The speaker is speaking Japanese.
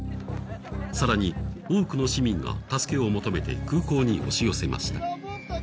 更に多くの市民が助けを求めて空港に押し寄せました。